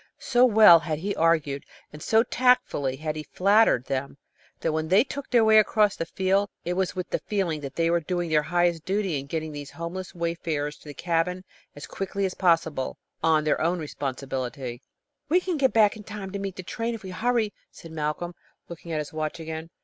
So well had he argued, and so tactfully had he flattered them, that when they took their way across the field, it was with the feeling that they were doing their highest duty in getting these homeless wayfarers to the cabin as quickly as possible, on their own responsibility. [Illustration: "ACROSS THE SNOWY FIELDS."] "We can get back in time to meet the train, if we hurry," said Malcolm, looking at his watch again.